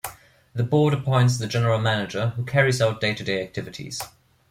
The board appoints the general manager, who carries out day-to-day activities.